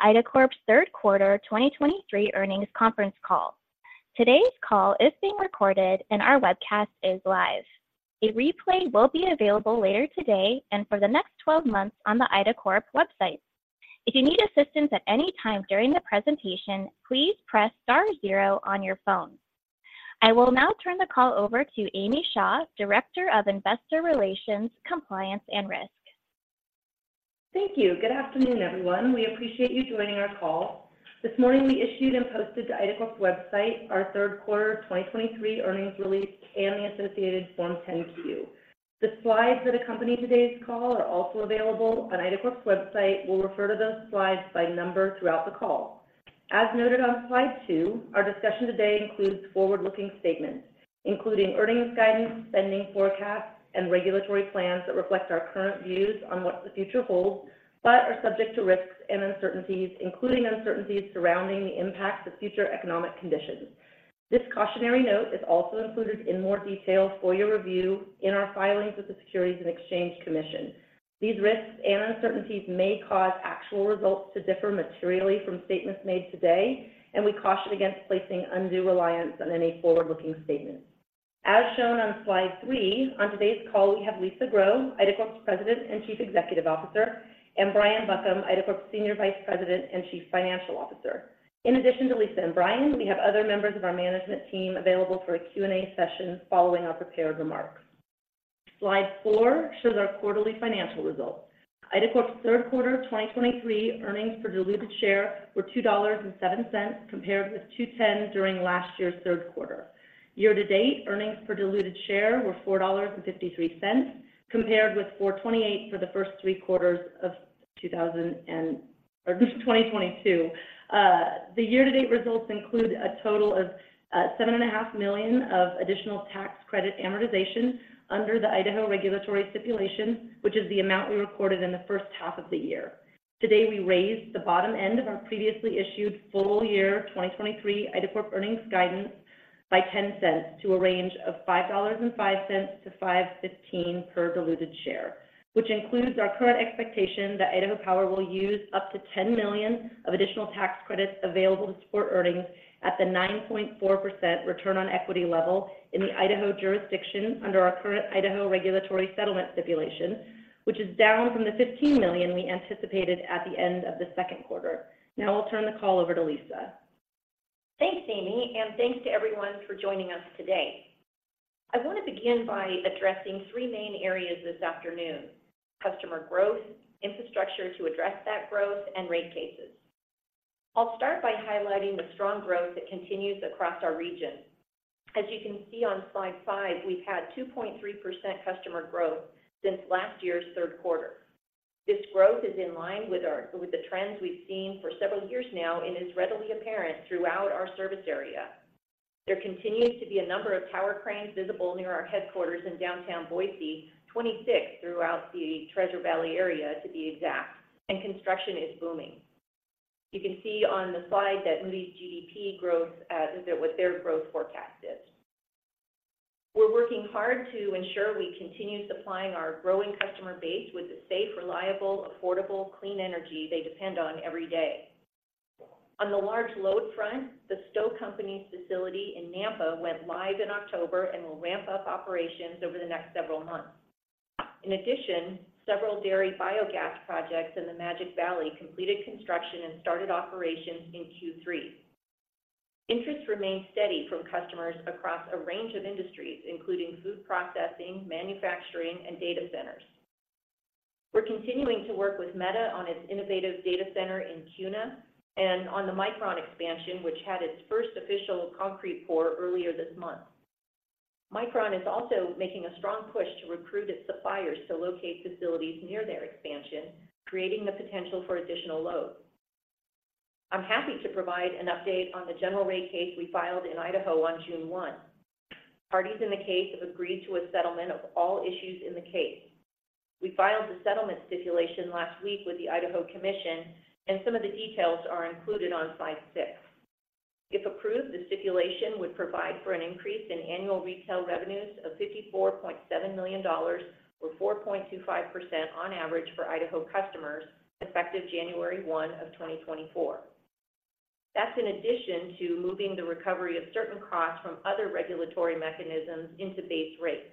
IDACORP's third quarter 2023 earnings conference call. Today's call is being recorded, and our webcast is live. A replay will be available later today and for the next 12 months on the IDACORP website. If you need assistance at any time during the presentation, please press star zero on your phone. I will now turn the call over to Amy Shaw, Director of Investor Relations, Compliance, and Risk. Thank you. Good afternoon, everyone. We appreciate you joining our call. This morning, we issued and posted to IDACORP's website our third quarter 2023 earnings release and the associated Form 10-Q. The slides that accompany today's call are also available on IDACORP's website. We'll refer to those slides by number throughout the call. As noted on slide two, our discussion today includes forward-looking statements, including earnings guidance, spending forecasts, and regulatory plans that reflect our current views on what the future holds, but are subject to risks and uncertainties, including uncertainties surrounding the impacts of future economic conditions. This cautionary note is also included in more detail for your review in our filings with the Securities and Exchange Commission. These risks and uncertainties may cause actual results to differ materially from statements made today, and we caution against placing undue reliance on any forward-looking statements. As shown on slide three, on today's call, we have Lisa Grow, IDACORP's President and Chief Executive Officer, and Brian Buckham, IDACORP's Senior Vice President and Chief Financial Officer. In addition to Lisa and Brian, we have other members of our management team available for a Q&A session following our prepared remarks. Slide four shows our quarterly financial results. IDACORP's third quarter 2023 earnings per diluted share were $2.07, compared with $2.10 during last year's third quarter. Year to date, earnings per diluted share were $4.53, compared with $4.28 for the first three quarters of 2022. The year-to-date results include a total of $7.5 million of additional tax credit amortization under the Idaho regulatory stipulation, which is the amount we recorded in the first half of the year. Today, we raised the bottom end of our previously issued full year 2023 IDACORP earnings guidance by $0.10 to a range of $5.05-$5.15 per diluted share, which includes our current expectation that Idaho Power will use up to $10 million of additional tax credits available to support earnings at the 9.4% return on equity level in the Idaho jurisdiction under our current Idaho Regulatory Settlement Stipulation, which is down from the $15 million we anticipated at the end of the second quarter. Now I'll turn the call over to Lisa. Thanks, Amy, and thanks to everyone for joining us today. I want to begin by addressing three main areas this afternoon: customer growth, infrastructure to address that growth, and rate cases. I'll start by highlighting the strong growth that continues across our region. As you can see on slide five, we've had 2.3% customer growth since last year's third quarter. This growth is in line with our—with the trends we've seen for several years now and is readily apparent throughout our service area. There continues to be a number of power cranes visible near our headquarters in downtown Boise, 26 throughout the Treasure Valley area, to be exact, and construction is booming. You can see on the slide that Moody's GDP growth, is that what their growth forecast is. We're working hard to ensure we continue supplying our growing customer base with the safe, reliable, affordable, clean energy they depend on every day. On the large load front, the Stow Company's facility in Nampa went live in October and will ramp up operations over the next several months. In addition, several dairy biogas projects in the Magic Valley completed construction and started operations in Q3. Interest remains steady from customers across a range of industries, including food processing, manufacturing, and data centers. We're continuing to work with Meta on its innovative data center in Kuna and on the Micron expansion, which had its first official concrete pour earlier this month. Micron is also making a strong push to recruit its suppliers to locate facilities near their expansion, creating the potential for additional load. I'm happy to provide an update on the general rate case we filed in Idaho on June 1. Parties in the case have agreed to a settlement of all issues in the case. We filed the settlement stipulation last week with the Idaho Commission, and some of the details are included on slide six. If approved, the stipulation would provide for an increase in annual retail revenues of $54.7 million, or 4.25% on average for Idaho customers, effective January 1, 2024. That's in addition to moving the recovery of certain costs from other regulatory mechanisms into base rates,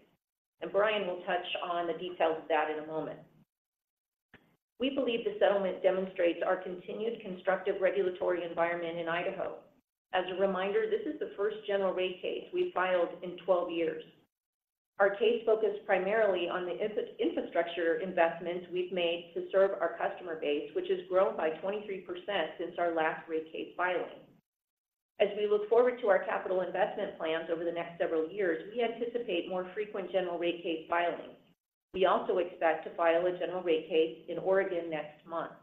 and Brian will touch on the details of that in a moment. We believe the settlement demonstrates our continued constructive regulatory environment in Idaho. As a reminder, this is the first general rate case we've filed in 12 years. Our case focused primarily on the infrastructure investments we've made to serve our customer base, which has grown by 23% since our last rate case filing. As we look forward to our capital investment plans over the next several years, we anticipate more frequent general rate case filings. We also expect to file a general rate case in Oregon next month.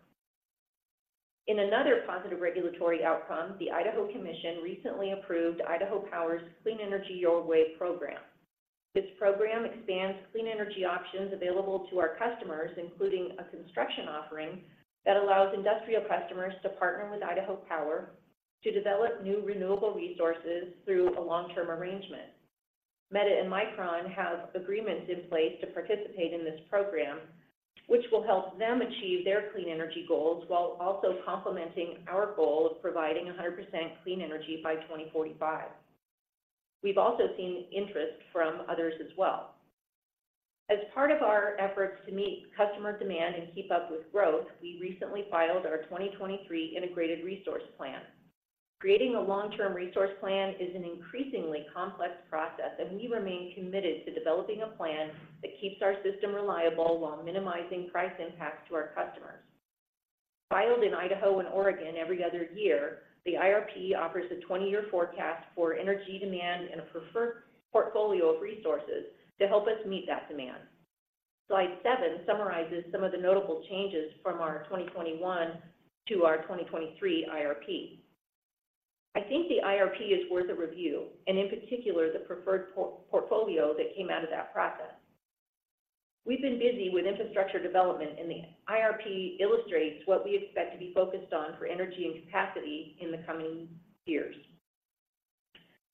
In another positive regulatory outcome, the Idaho Commission recently approved Idaho Power's Clean Energy Your Way program. This program expands clean energy options available to our customers, including a construction offering that allows industrial customers to partner with Idaho Power to develop new renewable resources through a long-term arrangement.... Meta and Micron have agreements in place to participate in this program, which will help them achieve their clean energy goals, while also complementing our goal of providing 100% clean energy by 2045. We've also seen interest from others as well. As part of our efforts to meet customer demand and keep up with growth, we recently filed our 2023 integrated resource plan. Creating a long-term resource plan is an increasingly complex process, and we remain committed to developing a plan that keeps our system reliable while minimizing price impacts to our customers. Filed in Idaho and Oregon every other year, the IRP offers a 20-year forecast for energy demand and a preferred portfolio of resources to help us meet that demand. Slide 7 summarizes some of the notable changes from our 2021 to our 2023 IRP. I think the IRP is worth a review, and in particular, the preferred portfolio that came out of that process. We've been busy with infrastructure development, and the IRP illustrates what we expect to be focused on for energy and capacity in the coming years.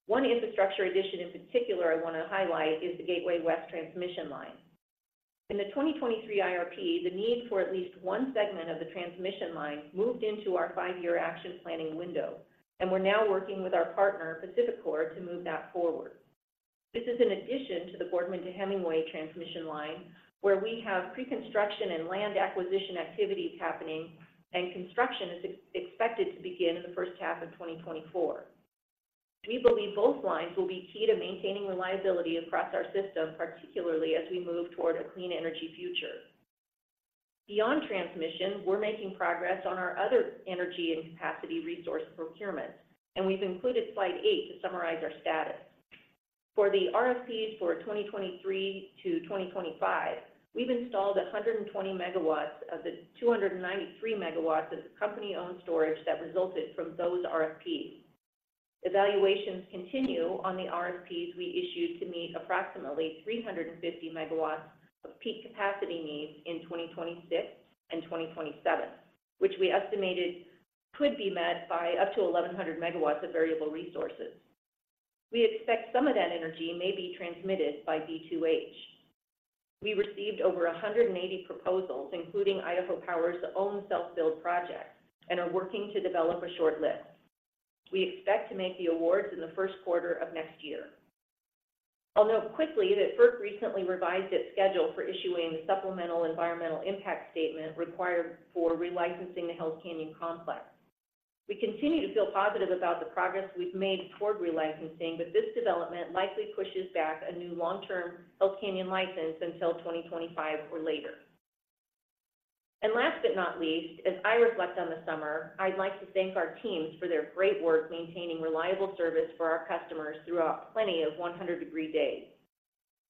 One infrastructure addition in particular I wanna highlight is the Gateway West transmission line. In the 2023 IRP, the need for at least one segment of the transmission line moved into our five-year action planning window, and we're now working with our partner, PacifiCorp, to move that forward. This is in addition to the Boardman to Hemingway transmission line, where we have pre-construction and land acquisition activities happening, and construction is expected to begin in the first half of 2024. We believe both lines will be key to maintaining reliability across our system, particularly as we move toward a clean energy future. Beyond transmission, we're making progress on our other energy and capacity resource procurements, and we've included slide 8 to summarize our status. For the RFPs for 2023 to 2025, we've installed 120 MW of the 293 MW of company-owned storage that resulted from those RFPs. Evaluations continue on the RFPs we issued to meet approximately 350 MW of peak capacity needs in 2026 and 2027, which we estimated could be met by up to 1,100 MW of variable resources. We expect some of that energy may be transmitted by B2H. We received over 180 proposals, including Idaho Power's own self-build project, and are working to develop a shortlist. We expect to make the awards in the first quarter of next year. I'll note quickly that FERC recently revised its schedule for issuing the supplemental environmental impact statement required for relicensing the Hells Canyon Complex. We continue to feel positive about the progress we've made toward relicensing, but this development likely pushes back a new long-term Hells Canyon license until 2025 or later. And last but not least, as I reflect on the summer, I'd like to thank our teams for their great work maintaining reliable service for our customers throughout plenty of 100-degree days.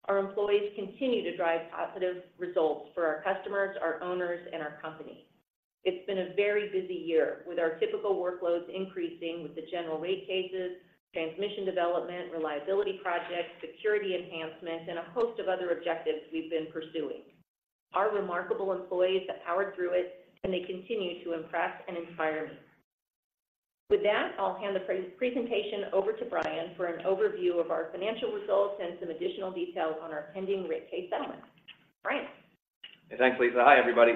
Our employees continue to drive positive results for our customers, our owners, and our company. It's been a very busy year, with our typical workloads increasing with the general rate cases, transmission development, reliability projects, security enhancements, and a host of other objectives we've been pursuing. Our remarkable employees have powered through it, and they continue to impress and inspire me. With that, I'll hand the presentation over to Brian for an overview of our financial results and some additional details on our pending rate case settlement. Brian? Thanks, Lisa. Hi, everybody.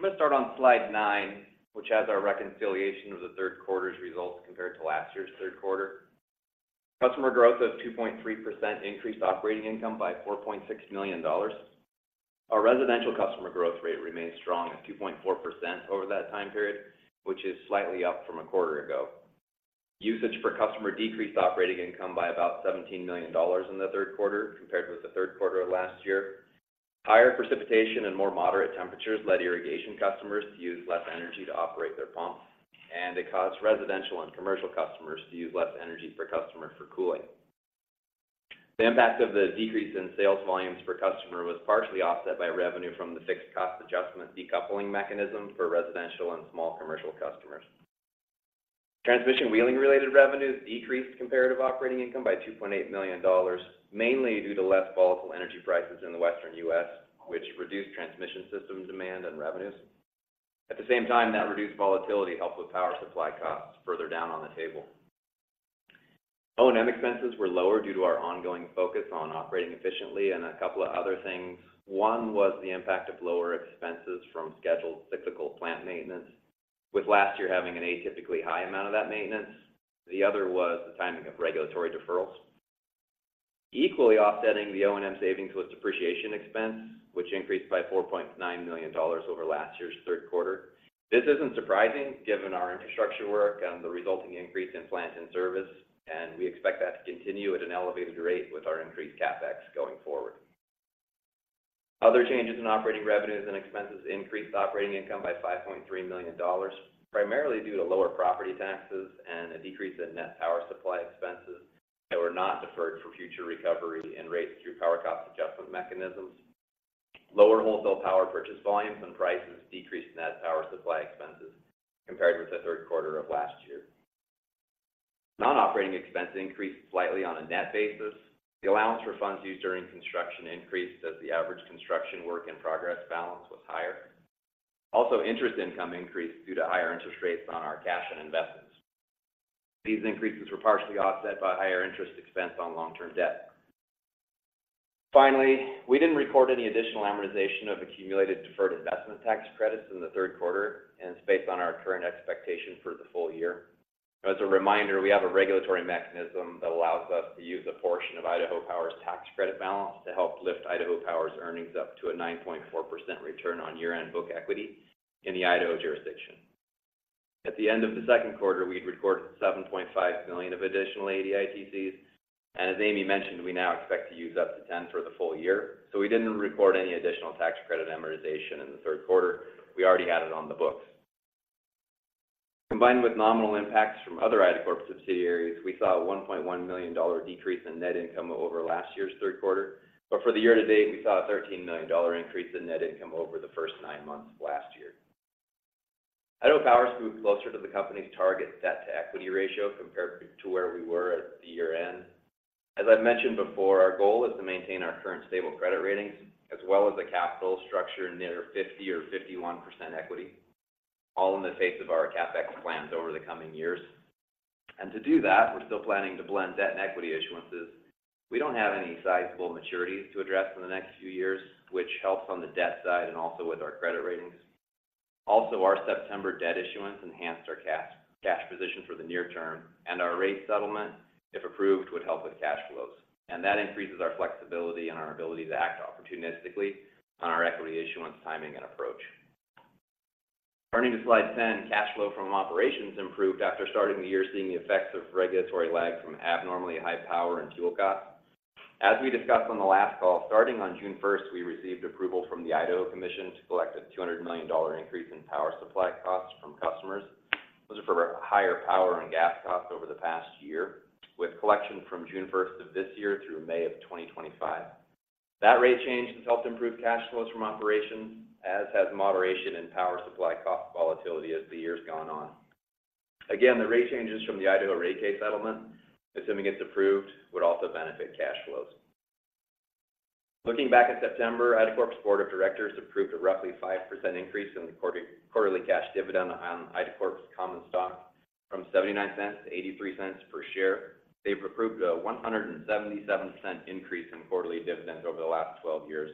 I'm gonna start on slide nine, which has our reconciliation of the third quarter's results compared to last year's third quarter. Customer growth of 2.3% increased operating income by $4.6 million. Our residential customer growth rate remains strong at 2.4% over that time period, which is slightly up from a quarter ago. Usage per customer decreased operating income by about $17 million in the third quarter, compared with the third quarter of last year. Higher precipitation and more moderate temperatures led irrigation customers to use less energy to operate their pumps, and it caused residential and commercial customers to use less energy per customer for cooling. The impact of the decrease in sales volumes per customer was partially offset by revenue from the fixed cost adjustment decoupling mechanism for residential and small commercial customers. Transmission wheeling-related revenues decreased comparative operating income by $2.8 million, mainly due to less volatile energy prices in the western U.S., which reduced transmission system demand and revenues. At the same time, that reduced volatility helped with power supply costs further down on the table. O&M expenses were lower due to our ongoing focus on operating efficiently and a couple of other things. One was the impact of lower expenses from scheduled cyclical plant maintenance, with last year having an atypically high amount of that maintenance. The other was the timing of regulatory deferrals. Equally offsetting the O&M savings was depreciation expense, which increased by $4.9 million over last year's third quarter. This isn't surprising, given our infrastructure work and the resulting increase in plant and service, and we expect that to continue at an elevated rate with our increased CapEx going forward. Other changes in operating revenues and expenses increased operating income by $5.3 million, primarily due to lower property taxes and a decrease in net power supply expenses that were not deferred for future recovery and rates through power cost adjustment mechanisms. Lower wholesale power purchase volumes and prices decreased net power supply expenses compared with the third quarter of last year. Non-operating expenses increased slightly on a net basis. The allowance for funds used during construction increased as the average construction work in progress balance was higher. Also, interest income increased due to higher interest rates on our cash and investments. These increases were partially offset by higher interest expense on long-term debt. Finally, we didn't record any additional amortization of accumulated deferred investment tax credits in the third quarter, and it's based on our current expectation for the full year. As a reminder, we have a regulatory mechanism that allows us to use a portion of Idaho Power's tax credit balance to help lift Idaho Power's earnings up to a 9.4% return on year-end book equity in the Idaho jurisdiction. At the end of the second quarter, we'd recorded $7.5 million of additional ADITCs, and as Amy mentioned, we now expect to use up to $10 million for the full year. So we didn't report any additional tax credit amortization in the third quarter. We already had it on the books. Combined with nominal impacts from other IDACORP subsidiaries, we saw a $1.1 million decrease in net income over last year's third quarter. But for the year to date, we saw a $13 million increase in net income over the first nine months of last year. Idaho Power moved closer to the company's target debt-to-equity ratio compared to where we were at the year-end. As I've mentioned before, our goal is to maintain our current stable credit ratings, as well as a capital structure near 50 or 51% equity, all in the face of our CapEx plans over the coming years. And to do that, we're still planning to blend debt and equity issuances. We don't have any sizable maturities to address in the next few years, which helps on the debt side and also with our credit ratings. Also, our September debt issuance enhanced our cash, cash position for the near term, and our rate settlement, if approved, would help with cash flows, and that increases our flexibility and our ability to act opportunistically on our equity issuance, timing, and approach. Turning to slide 10, cash flow from operations improved after starting the year, seeing the effects of regulatory lag from abnormally high power and fuel costs. As we discussed on the last call, starting on June 1, we received approval from the Idaho Commission to collect a $200 million increase in power supply costs from customers. Those are for higher power and gas costs over the past year, with collection from June 1 of this year through May of 2025. That rate change has helped improve cash flows from operations, as has moderation in power supply cost volatility as the year's gone on. Again, the rate changes from the Idaho rate case settlement, assuming it's approved, would also benefit cash flows. Looking back in September, IDACORP's board of directors approved a roughly 5% increase in the quarterly cash dividend on IDACORP's common stock from $0.79-$0.83 per share. They've approved a 177% increase in quarterly dividends over the last 12 years.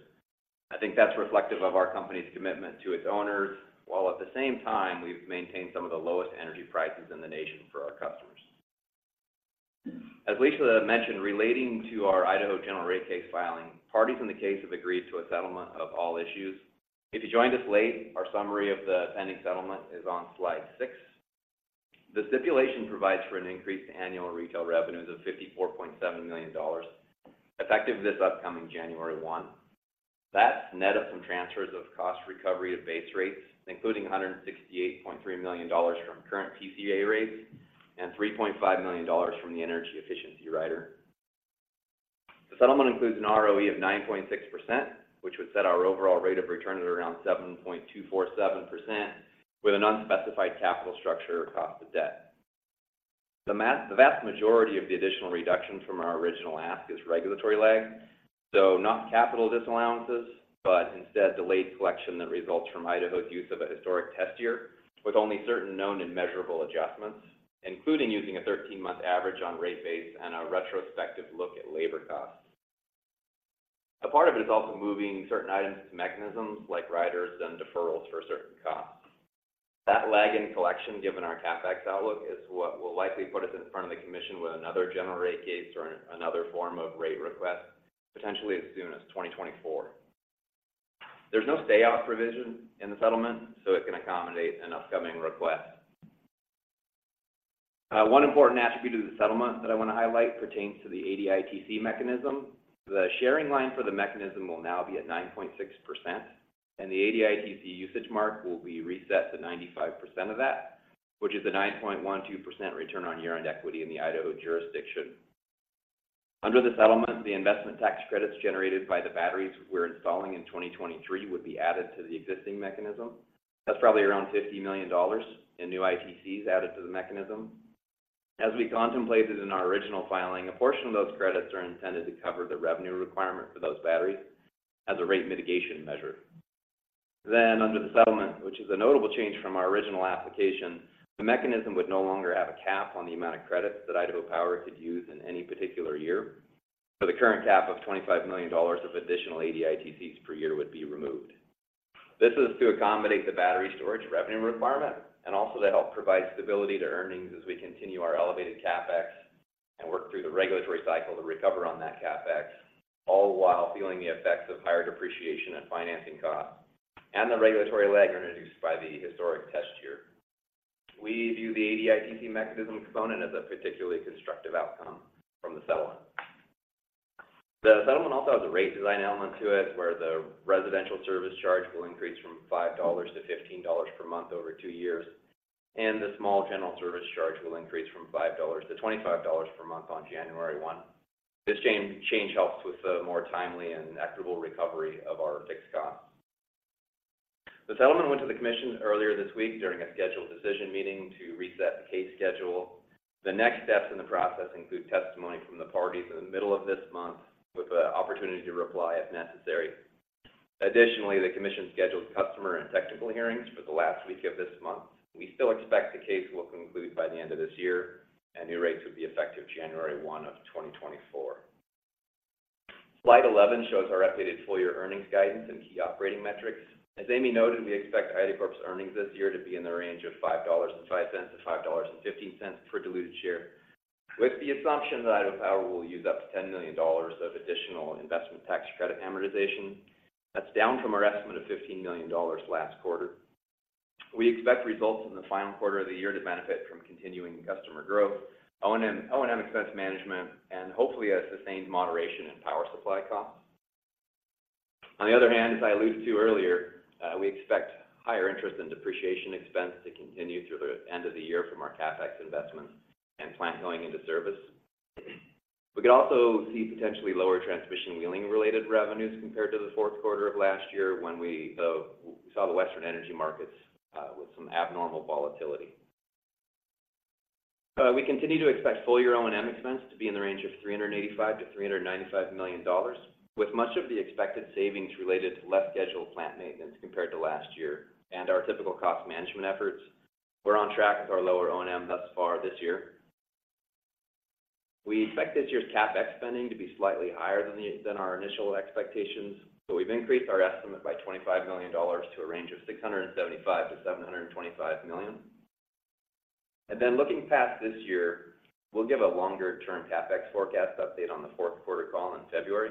I think that's reflective of our company's commitment to its owners, while at the same time, we've maintained some of the lowest energy prices in the nation for our customers. As Lisa mentioned, relating to our Idaho general rate case filing, parties in the case have agreed to a settlement of all issues. If you joined us late, our summary of the pending settlement is on slide 6. The stipulation provides for an increase to annual retail revenues of $54.7 million, effective this upcoming January 1. That's net of some transfers of cost recovery of base rates, including $168.3 million from current PCA rates and $3.5 million from the energy efficiency rider. The settlement includes an ROE of 9.6%, which would set our overall rate of return at around 7.247%, with an unspecified capital structure cost of debt. The vast majority of the additional reduction from our original ask is regulatory lag, so not capital disallowances, but instead, delayed collection that results from Idaho's use of a historic test year, with only certain known and measurable adjustments, including using a 13-month average on rate base and a retrospective look at labor costs. A part of it is also moving certain items to mechanisms like riders and deferrals for certain costs. That lag in collection, given our CapEx outlook, is what will likely put us in front of the commission with another general rate case or another form of rate request, potentially as soon as 2024. There's no stay out provision in the settlement, so it can accommodate an upcoming request. One important attribute to the settlement that I want to highlight pertains to the ADITC mechanism. The sharing line for the mechanism will now be at 9.6%, and the ADITC usage mark will be reset to 95% of that, which is a 9.12% return on year-end equity in the Idaho jurisdiction. Under the settlement, the investment tax credits generated by the batteries we're installing in 2023 would be added to the existing mechanism. That's probably around $50 million in new ITCs added to the mechanism. As we contemplated in our original filing, a portion of those credits are intended to cover the revenue requirement for those batteries as a rate mitigation measure. Then, under the settlement, which is a notable change from our original application, the mechanism would no longer have a cap on the amount of credits that Idaho Power could use in any particular year, for the current cap of $25 million of additional ADITCs per year would be removed. This is to accommodate the battery storage revenue requirement and also to help provide stability to earnings as we continue our elevated CapEx and work through the regulatory cycle to recover on that CapEx, all while feeling the effects of higher depreciation and financing costs, and the regulatory lag introduced by the historic test year. We view the ADITC mechanism component as a particularly constructive outcome from the settlement. The settlement also has a rate design element to it, where the residential service charge will increase from $5-$15 per month over 2 years, and the small general service charge will increase from $5-$25 per month on January 1. This change helps with the more timely and equitable recovery of our fixed costs. The settlement went to the commission earlier this week during a scheduled decision meeting to reset the case schedule. The next steps in the process include testimony from the parties in the middle of this month, with the opportunity to reply if necessary. Additionally, the commission scheduled customer and technical hearings for the last week of this month. We still expect the case will conclude by the end of this year, and new rates would be effective January 1 of 2024. Slide 11 shows our updated full-year earnings guidance and key operating metrics. As Amy noted, we expect Idaho Power's earnings this year to be in the range of $5.05-$5.15 per diluted share, with the assumption that Idaho Power will use up $10 million of additional investment tax credit amortization. That's down from our estimate of $15 million last quarter. We expect results in the final quarter of the year to benefit from continuing customer growth, O&M, O&M expense management, and hopefully, a sustained moderation in power supply costs. On the other hand, as I alluded to earlier, we expect higher interest and depreciation expense to continue through the end of the year from our CapEx investments and plant going into service. We could also see potentially lower transmission wheeling-related revenues compared to the fourth quarter of last year when we, we saw the Western energy markets with some abnormal volatility. We continue to expect full-year O&M expense to be in the range of $385 million-$395 million, with much of the expected savings related to less scheduled plant maintenance compared to last year and our typical cost management efforts. We're on track with our lower O&M thus far this year. We expect this year's CapEx spending to be slightly higher than our initial expectations, so we've increased our estimate by $25 million to a range of $675 million-$725 million. And then looking past this year, we'll give a longer-term CapEx forecast update on the fourth quarter call in February.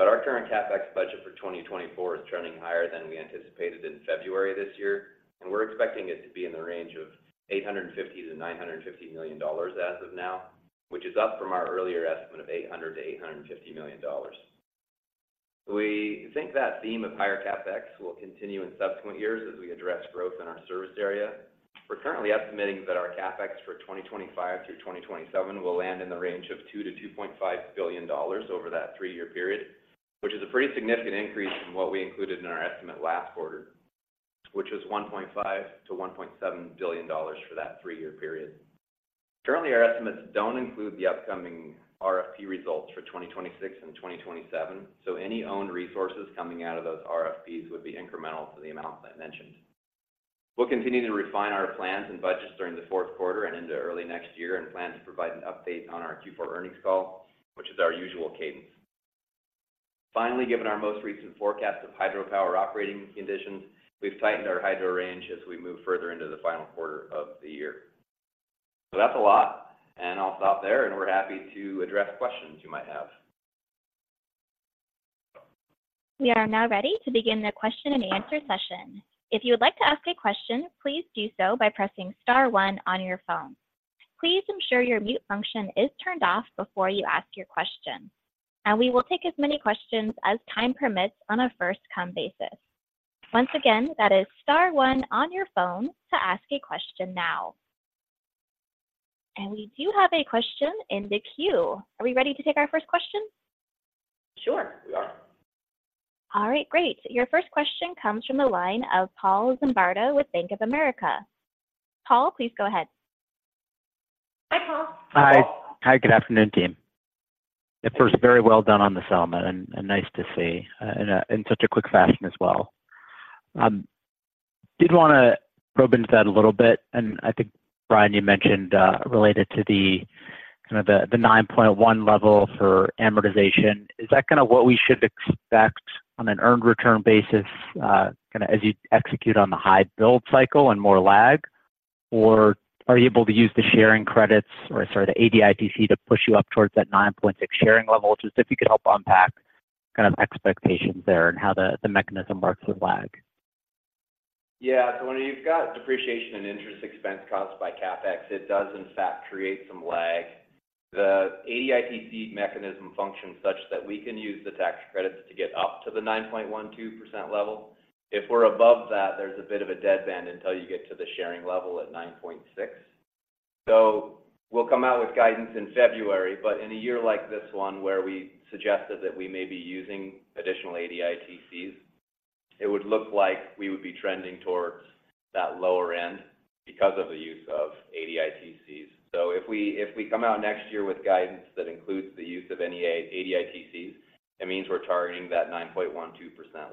Our current CapEx budget for 2024 is trending higher than we anticipated in February this year, and we're expecting it to be in the range of $850 million-$950 million as of now, which is up from our earlier estimate of $800 million-$850 million. We think that theme of higher CapEx will continue in subsequent years as we address growth in our service area. We're currently estimating that our CapEx for 2025 through 2027 will land in the range of $2 billion-$2.5 billion over that three-year period, which is a pretty significant increase from what we included in our estimate last quarter, which was $1.5 billion-$1.7 billion for that three-year period. Currently, our estimates don't include the upcoming RFP results for 2026 and 2027, so any owned resources coming out of those RFPs would be incremental to the amount I mentioned. We'll continue to refine our plans and budgets during the fourth quarter and into early next year, and plan to provide an update on our Q4 earnings call, which is our usual cadence. Finally, given our most recent forecast of hydropower operating conditions, we've tightened our hydro range as we move further into the final quarter of the year. So that's a lot, and I'll stop there, and we're happy to address questions you might have. We are now ready to begin the question and answer session. If you would like to ask a question, please do so by pressing star one on your phone. Please ensure your mute function is turned off before you ask your question, and we will take as many questions as time permits on a first-come basis. Once again, that is star one on your phone to ask a question now. We do have a question in the queue. Are we ready to take our first question? Sure, we are. All right, great. Your first question comes from the line of Paul Zimbardo with Bank of America. Paul, please go ahead. Hi, Paul. Hi. Hi, good afternoon, team. At first, very well done on the settlement and, and nice to see in such a quick fashion as well. Did wanna probe into that a little bit, and I think, Brian, you mentioned related to the kind of the 9.1 level for amortization. Is that kinda what we should expect on an earned return basis, kinda as you execute on the high build cycle and more lag? Or are you able to use the sharing credits, or sorry, the ADITC to push you up towards that 9.6 sharing level? Just if you could help unpack kind of expectations there and how the mechanism works with lag. Yeah. So when you've got depreciation and interest expense caused by CapEx, it does in fact create some lag. The ADITC mechanism functions such that we can use the tax credits to get up to the 9.12% level. If we're above that, there's a bit of a deadband until you get to the sharing level at 9.6%. So we'll come out with guidance in February, but in a year like this one, where we suggested that we may be using additional ADITCs, it would look like we would be trending towards that lower end because of the use of ADITCs. So if we, if we come out next year with guidance that includes the use of any A- ADITCs, it means we're targeting that 9.12%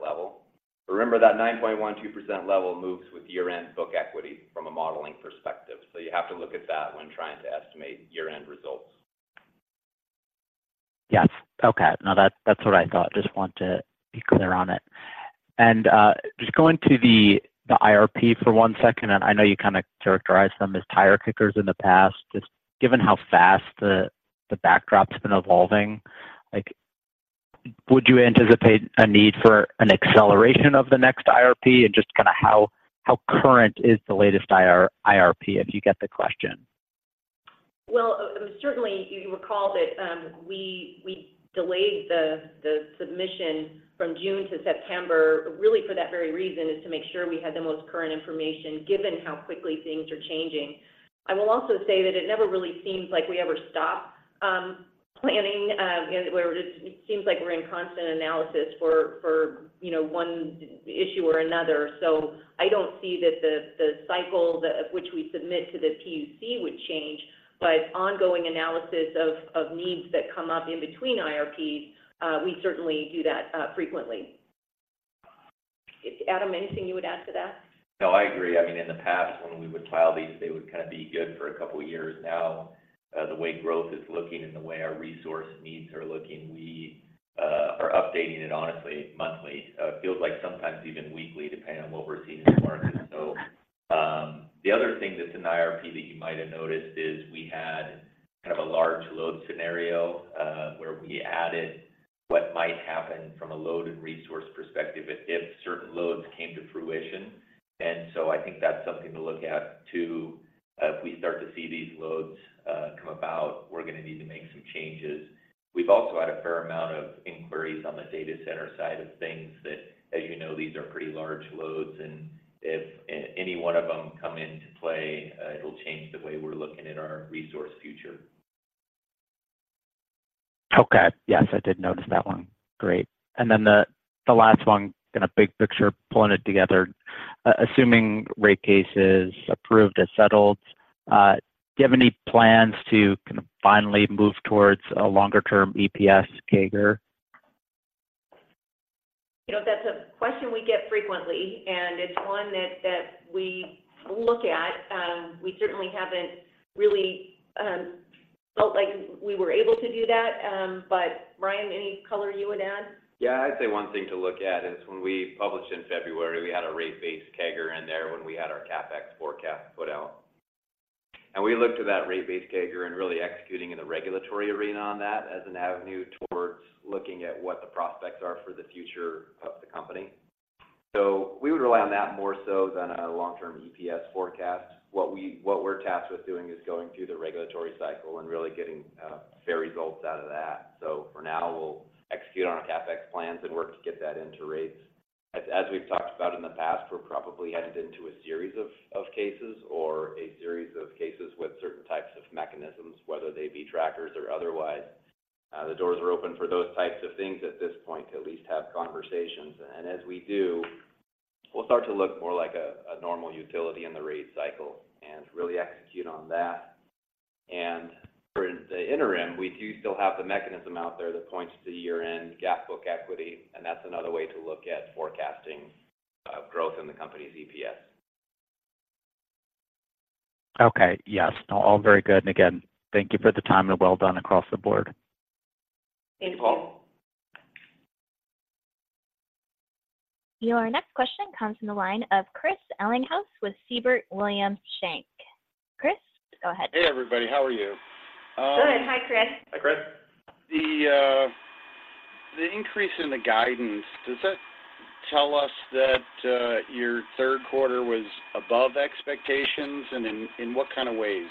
level. Remember, that 9.12% level moves with year-end book equity from a modeling perspective, so you have to look at that when trying to estimate year-end results. Yes. Okay. No, that's, that's what I thought. Just want to be clear on it. And just going to the IRP for one second, and I know you kind of characterized them as tire kickers in the past. Just given how fast the backdrop's been evolving, like, would you anticipate a need for an acceleration of the next IRP? And just kinda how current is the latest IRP, if you get the question? Well, certainly, you recall that we delayed the submission from June to September, really for that very reason, is to make sure we had the most current information, given how quickly things are changing. I will also say that it never really seems like we ever stop. So-... planning, where it seems like we're in constant analysis for, you know, one issue or another. So I don't see that the cycle that of which we submit to the PUC would change, but ongoing analysis of needs that come up in between IRPs, we certainly do that, frequently. Adam, anything you would add to that? No, I agree. I mean, in the past, when we would file these, they would kind of be good for a couple of years. Now, the way growth is looking and the way our resource needs are looking, we are updating it honestly, monthly. It feels like sometimes even weekly, depending on what we're seeing in the market. So, the other thing that's in IRP that you might have noticed is we had kind of a large load scenario, where we added what might happen from a load and resource perspective if certain loads came to fruition. And so I think that's something to look at, too. As we start to see these loads, come about, we're going to need to make some changes. We've also had a fair amount of inquiries on the data center side of things that, as you know, these are pretty large loads, and if any one of them come into play, it'll change the way we're looking at our resource future. Okay. Yes, I did notice that one. Great. And then the last one, in a big picture, pulling it together, assuming rate case is approved as settled, do you have any plans to kind of finally move towards a longer-term EPS CAGR? You know, that's a question we get frequently, and it's one that we look at. We certainly haven't really felt like we were able to do that. But Brian, any color you would add? Yeah, I'd say one thing to look at is when we published in February, we had a rate-based CAGR in there when we had our CapEx forecast put out. And we looked to that rate-based CAGR and really executing in the regulatory arena on that as an avenue towards looking at what the prospects are for the future of the company. So we would rely on that more so than a long-term EPS forecast. What we're tasked with doing is going through the regulatory cycle and really getting fair results out of that. So for now, we'll execute on our CapEx plans and work to get that into rates. As we've talked about in the past, we're probably headed into a series of cases or a series of cases with certain types of mechanisms, whether they be trackers or otherwise. The doors are open for those types of things at this point, to at least have conversations. And as we do, we'll start to look more like a, a normal utility in the rate cycle and really execute on that. And for the interim, we do still have the mechanism out there that points to year-end GAAP book equity, and that's another way to look at forecasting growth in the company's EPS. Okay. Yes. No, all very good. And again, thank you for the time, and well done across the board. Thank you. Your next question comes from the line of Chris Ellinghaus with Siebert Williams Shank. Chris, go ahead. Hey, everybody. How are you? Good. Hi, Chris. Hi, Chris. The, the increase in the guidance, does that tell us that your third quarter was above expectations, and in what kind of ways?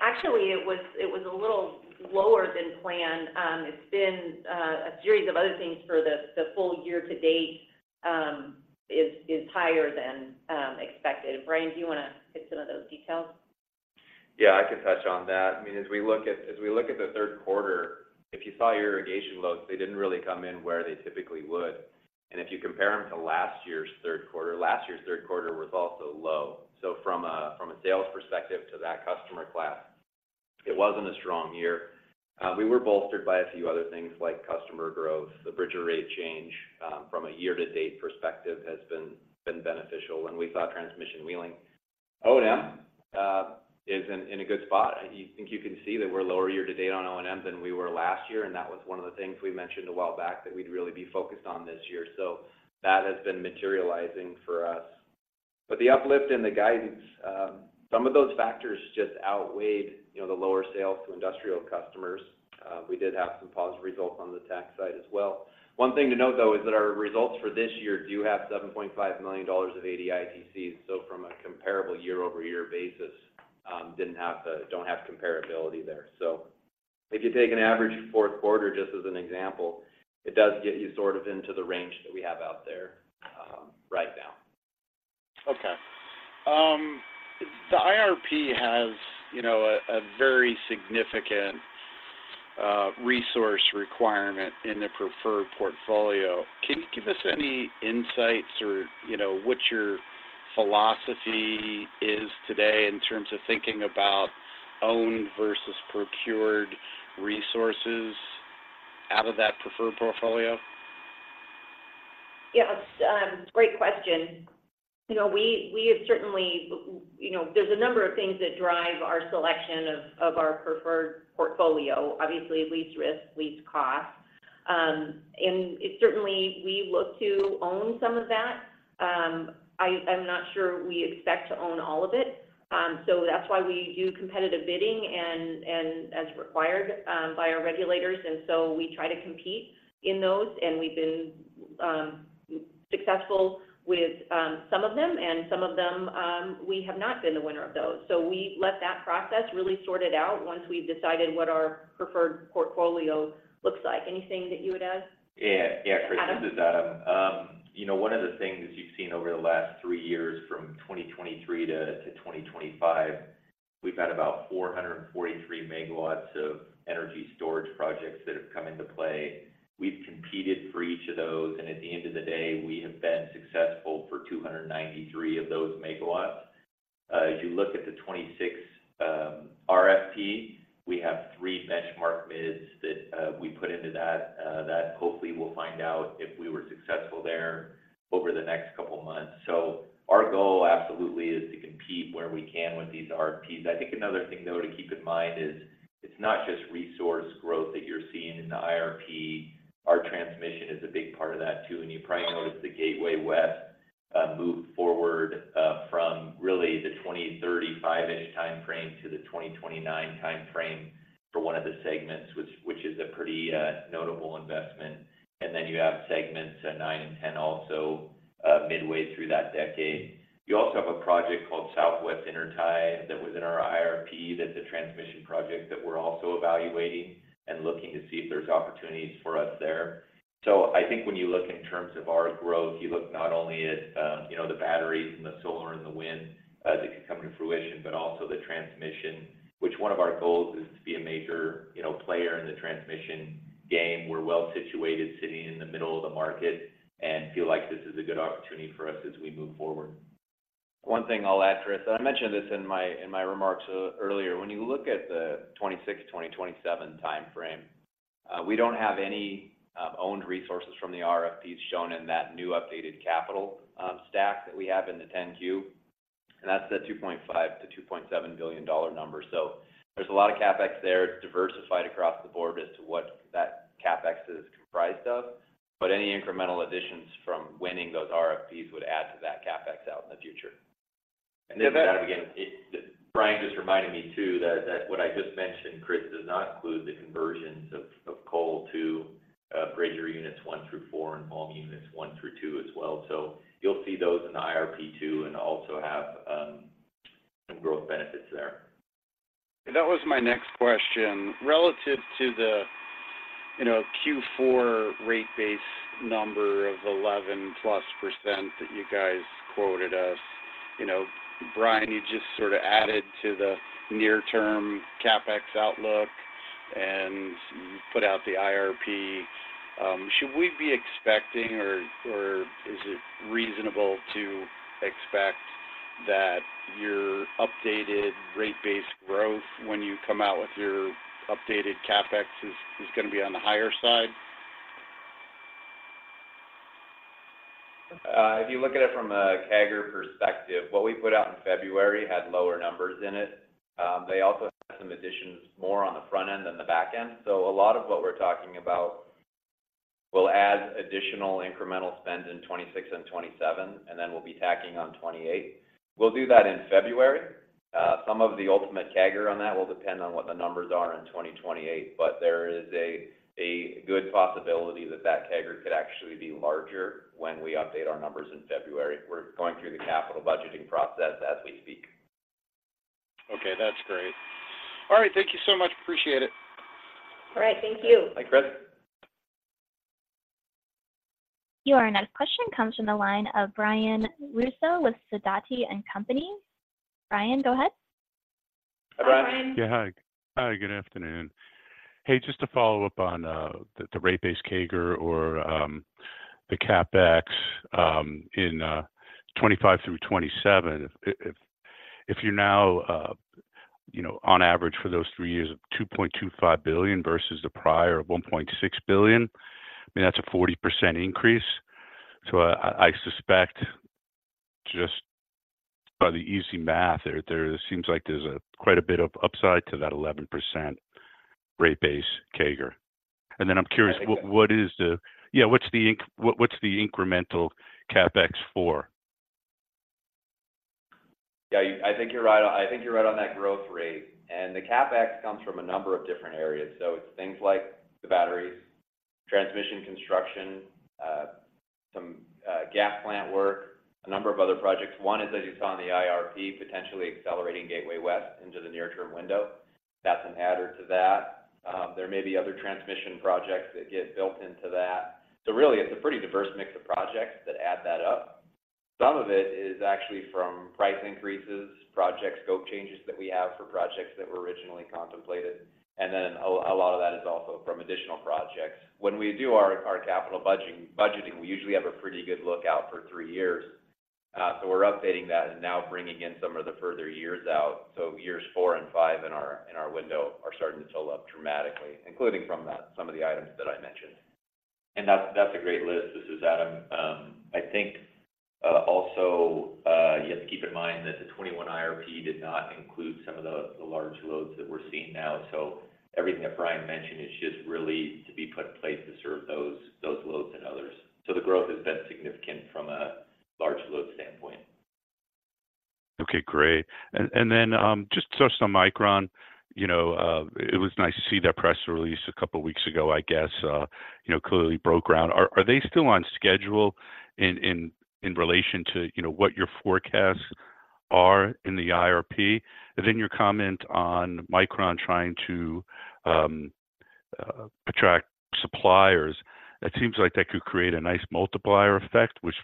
Actually, it was a little lower than planned. It's been a series of other things for the full year to date, is higher than expected. Brian, do you want to hit some of those details? Yeah, I can touch on that. I mean, as we look at the third quarter, if you saw your irrigation loads, they didn't really come in where they typically would. And if you compare them to last year's third quarter, last year's third quarter was also low. So from a sales perspective to that customer class, it wasn't a strong year. We were bolstered by a few other things like customer growth. The Bridger rate change from a year-to-date perspective has been beneficial, and we saw transmission wheeling. O&M is in a good spot. I think you can see that we're lower year-to-date on O&M than we were last year, and that was one of the things we mentioned a while back that we'd really be focused on this year. So that has been materializing for us. But the uplift in the guidance, some of those factors just outweighed, you know, the lower sales to industrial customers. We did have some positive results on the tax side as well. One thing to note, though, is that our results for this year do have $7.5 million of ADITCs, so from a comparable year-over-year basis, didn't have the-- don't have comparability there. So if you take an average fourth quarter, just as an example, it does get you sort of into the range that we have out there, right now. Okay. The IRP has, you know, a very significant resource requirement in the preferred portfolio. Can you give us any insights or, you know, what your philosophy is today in terms of thinking about owned versus procured resources out of that preferred portfolio? Yes, great question. You know, we have certainly. You know, there's a number of things that drive our selection of our preferred portfolio. Obviously, it leads risk, leads cost, and it certainly, we look to own some of that. I'm not sure we expect to own all of it. So that's why we do competitive bidding and as required by our regulators, and so we try to compete in those, and we've been successful with some of them, and some of them, we have not been the winner of those. So we let that process really sort it out once we've decided what our preferred portfolio looks like. Anything that you would add? Yeah. Yeah, Chris- Adam. This is Adam. You know, one of the things you've seen over the last three years, from 2023-2025. We've got about 443 MW of energy storage projects that have come into play. We've competed for each of those, and at the end of the day, we have been successful for 293 of those megawatts. If you look at the 2026 RFP, we have three benchmark bids that we put into that. That hopefully we'll find out if we were successful there over the next couple of months. So our goal absolutely is to compete where we can with these RFPs. I think another thing, though, to keep in mind is it's not just resource growth that you're seeing in the IRP. Our transmission is a big part of that, too, and you probably noticed the Gateway West move forward from really the 2035-ish time frame to the 2029 time frame for one of the segments, which is a pretty notable investment. And then you have segments at 9 and 10 also midway through that decade. You also have a project called Southwest Intertie that was in our IRP. That's a transmission project that we're also evaluating and looking to see if there's opportunities for us there. So I think when you look in terms of our growth, you look not only at you know the batteries and the solar and the wind that could come to fruition, but also the transmission, which one of our goals is to be a major you know player in the transmission game. We're well situated, sitting in the middle of the market, and feel like this is a good opportunity for us as we move forward. One thing I'll add, Chris, I mentioned this in my, in my remarks, earlier. When you look at the 2026-2027 time frame, we don't have any, owned resources from the RFPs shown in that new updated capital, stack that we have in the 10-Q, and that's the $2.5 billion-$2.7 billion number. So there's a lot of CapEx there. It's diversified across the board as to what that CapEx is comprised of, but any incremental additions from winning those RFPs would add to that CapEx out in the future. And then- Again, Brian just reminded me, too, that what I just mentioned, Chris, does not include the conversions of coal to Bridger units one through four, and Valmy units one through two. as well. So you'll see those in the IRP, too, and also have some growth benefits there. That was my next question. Relative to the, you know, Q4 rate base number of 11%+ that you guys quoted us, you know, Brian, you just sort of added to the near-term CapEx outlook, and you put out the IRP. Should we be expecting or, or is it reasonable to expect that your updated rate base growth when you come out with your updated CapEx is, is gonna be on the higher side? If you look at it from a CAGR perspective, what we put out in February had lower numbers in it. They also had some additions, more on the front end than the back end. So a lot of what we're talking about will add additional incremental spend in 2026 and 2027, and then we'll be tacking on 2028. We'll do that in February. Some of the ultimate CAGR on that will depend on what the numbers are in 2028, but there is a good possibility that that CAGR could actually be larger when we update our numbers in February. We're going through the capital budgeting process as we speak. Okay, that's great. All right. Thank you so much. Appreciate it. All right. Thank you. Thanks, Chris. Your next question comes from the line of Brian Russo with Sidoti & Company. Brian, go ahead. Hi, Brian. Yeah, hi. Hi, good afternoon. Hey, just to follow up on the rate base CAGR or the CapEx in 2025 through 2027. If you're now, you know, on average for those three years of $2.25 billion versus the prior of $1.6 billion, I mean, that's a 40% increase. So I suspect, just by the easy math there, there seems like there's quite a bit of upside to that 11% rate base CAGR. And then I'm curious- Yeah. Yeah, what's the incremental CapEx for? Yeah, I think you're right. I think you're right on that growth rate, and the CapEx comes from a number of different areas. So it's things like the batteries, transmission construction, some gas plant work, a number of other projects. One is, as you saw in the IRP, potentially accelerating Gateway West into the near-term window. That's an adder to that. There may be other transmission projects that get built into that. So really, it's a pretty diverse mix of projects that add that up. Some of it is actually from price increases, project scope changes that we have for projects that were originally contemplated, and then a lot of that is also from additional projects. When we do our capital budgeting, we usually have a pretty good lookout for 3 years. So we're updating that and now bringing in some of the further years out. So years four and five in our window are starting to fill up dramatically, including from that, some of the items that I mentioned. That's, that's a great list. This is Adam. I think also, you have to keep in mind that the 21 IRP did not include some of the large loads that we're seeing now. So everything that Brian mentioned is just really to be put in place to serve those loads and others. So the growth has been significant from a large load standpoint. Okay, great. And then just touch on Micron. You know, it was nice to see that press release a couple of weeks ago, I guess, you know, clearly broke ground. Are they still on schedule in relation to what your forecasts are in the IRP? And then your comment on Micron trying to attract suppliers, it seems like that could create a nice multiplier effect, which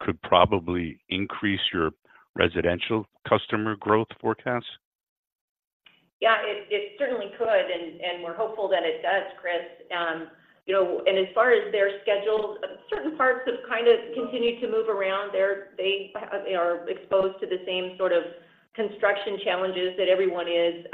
could probably increase your residential customer growth forecast? Yeah, it certainly could, and we're hopeful that it does, Chris. You know, as far as their schedules, certain parts have kind of continued to move around. They are exposed to the same sort of construction challenges that everyone is.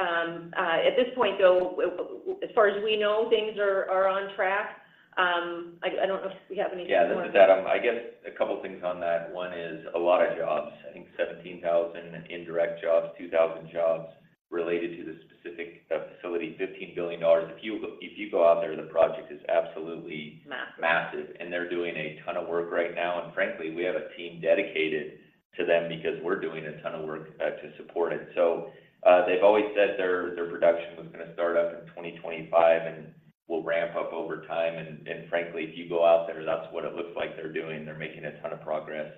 At this point, though, as far as we know, things are on track. I don't know if we have anything more. Yeah, this is Adam. I guess a couple things on that. One is a lot of jobs, I think 17,000 indirect jobs, 2,000 jobs related to the specific facility, $15 billion. If you, if you go out there, the project is absolutely- Massive... massive, and they're doing a ton of work right now. And frankly, we have a team dedicated to them because we're doing a ton of work to support it. So, they've always said their production was gonna start up in 2025 and will ramp up over time. And frankly, if you go out there, that's what it looks like they're doing. They're making a ton of progress,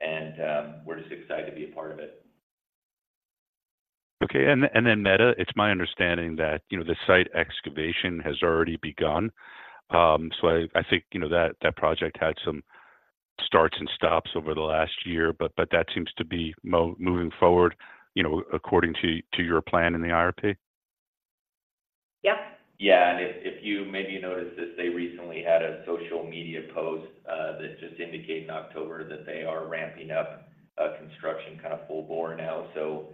and we're just excited to be a part of it. Okay, and then Meta, it's my understanding that, you know, the site excavation has already begun. So I think, you know, that project had some starts and stops over the last year, but that seems to be moving forward, you know, according to your plan in the IRP? Yep. Yeah, and if you maybe noticed this, they recently had a social media post that just indicated in October that they are ramping up construction kind of full bore now. So,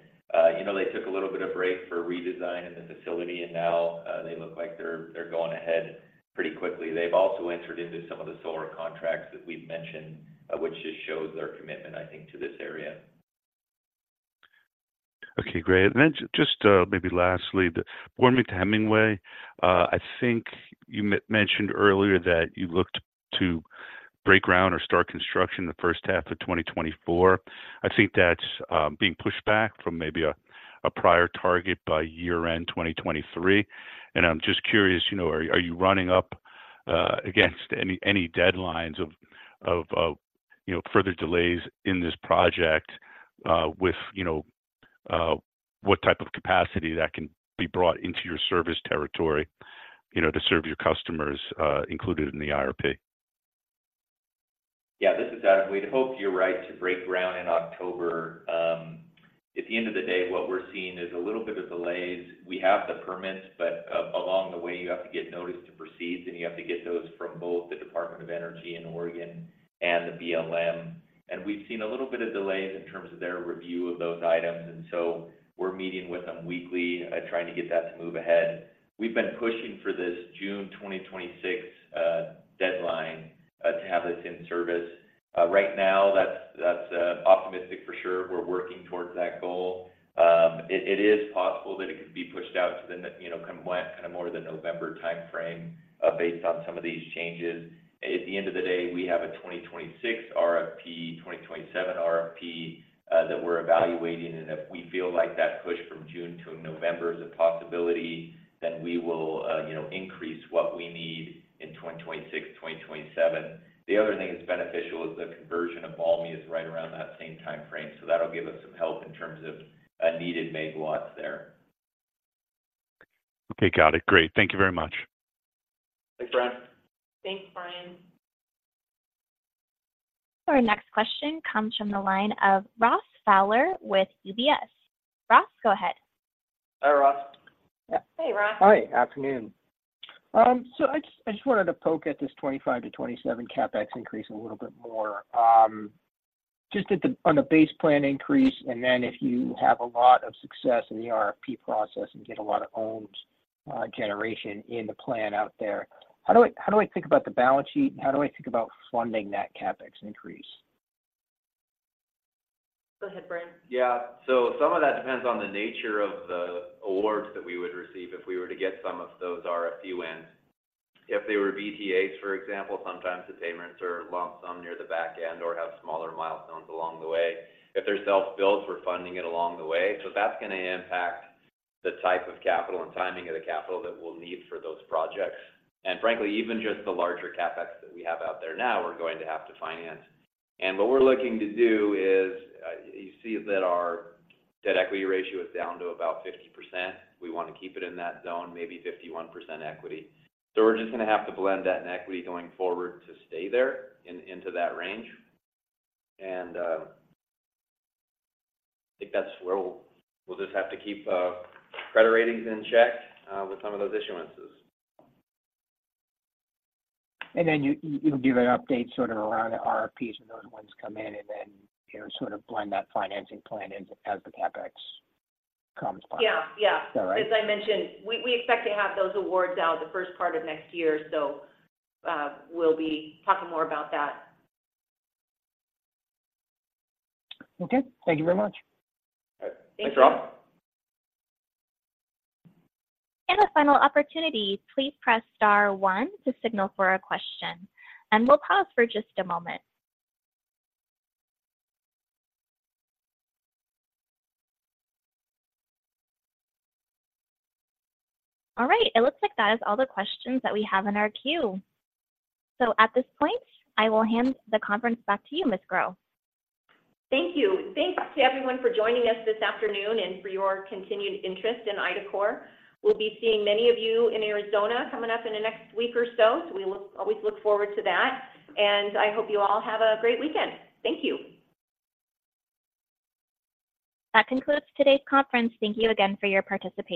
you know, they took a little bit of break for redesign in the facility, and now they look like they're going ahead pretty quickly. They've also entered into some of the solar contracts that we've mentioned, which just shows their commitment, I think, to this area. Okay, great. And then just, maybe lastly, the Boardman to Hemingway, I think you mentioned earlier that you looked to break ground or start construction in the first half of 2024. I think that's being pushed back from maybe a prior target by year-end 2023. And I'm just curious, you know, are you running up against any deadlines of further delays in this project, with you know, what type of capacity that can be brought into your service territory, you know, to serve your customers, included in the IRP? Yeah, this is Adam. We'd hoped, you're right, to break ground in October. At the end of the day, what we're seeing is a little bit of delays. We have the permits, but along the way, you have to get notice to proceed, and you have to get those from both the Department of Energy in Oregon and the BLM. And we've seen a little bit of delays in terms of their review of those items, and so we're meeting with them weekly, trying to get that to move ahead. We've been pushing for this June 2026 deadline to have this in service. Right now, that's optimistic for sure. We're working towards that goal. It is possible that it could be pushed out to the, you know, kind of more the November timeframe, based on some of these changes. At the end of the day, we have a 2026 RFP, 2027 RFP, that we're evaluating, and if we feel like that push from June to November is a possibility, then we will, you know, increase what we need in 2026, 2027. The other thing that's beneficial is the conversion of the B2H is right around that same time frame, so that'll give us some help in terms of, needed megawatts there. Okay, got it. Great. Thank you very much. Thanks, Brian. Thanks, Brian. Our next question comes from the line of Ross Fowler with UBS. Ross, go ahead. Hi, Ross. Yeah. Hey, Ross. Hi, afternoon. So I just, I just wanted to poke at this 25-27 CapEx increase a little bit more. Just on the base plan increase, and then if you have a lot of success in the RFP process and get a lot of owned generation in the plan out there, how do I, how do I think about the balance sheet? How do I think about funding that CapEx increase? Go ahead, Brian. Yeah. So some of that depends on the nature of the awards that we would receive if we were to get some of those RFPs in. If they were BTAs, for example, sometimes the payments are lump sum near the back end or have smaller milestones along the way. If they're self-billed, we're funding it along the way, so that's gonna impact the type of capital and timing of the capital that we'll need for those projects. And frankly, even just the larger CapEx that we have out there now, we're going to have to finance. And what we're looking to do is, you see that our debt equity ratio is down to about 50%. We want to keep it in that zone, maybe 51% equity. So we're just gonna have to blend debt and equity going forward to stay there, into that range. And, I think that's where we'll just have to keep credit ratings in check with some of those issuances. And then you'll give an update sort of around the RFPs when those ones come in, and then, you know, sort of blend that financing plan in as the CapEx comes by. Yeah. Yeah. Is that right? As I mentioned, we, we expect to have those awards out the first part of next year, so, we'll be talking more about that. Okay. Thank you very much. Thanks, Ross. Thanks. The final opportunity, please press star one to signal for a question, and we'll pause for just a moment. All right, it looks like that is all the questions that we have in our queue. At this point, I will hand the conference back to you, Ms. Grow. Thank you. Thanks to everyone for joining us this afternoon and for your continued interest in IDACORP. We'll be seeing many of you in Arizona coming up in the next week or so, so we always look forward to that. And I hope you all have a great weekend. Thank you. That concludes today's conference. Thank you again for your participation.